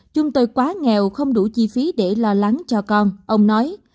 chúng tôi quá nghèo không đủ chi phí để lo lắng cho con ông nói